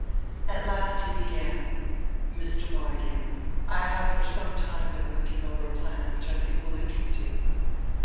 At last he began, "Mr. Montague, I have for some time been working over a plan which I think will interest you."